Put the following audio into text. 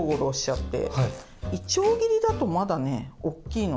いちょう切りだとまだねおっきいので。